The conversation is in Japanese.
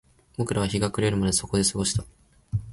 僕らは日が暮れるまでそこで過ごした